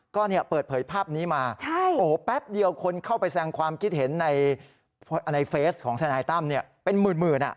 ก็เนี่ยเปิดเผยภาพนี้มาโอ้โหแป๊บเดียวคนเข้าไปแสงความคิดเห็นในเฟสของทนายตั้มเป็นหมื่น